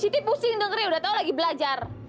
siti pusing dokternya udah tau lagi belajar